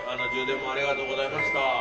充電もありがとうございました。